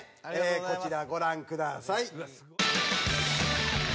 こちらご覧ください。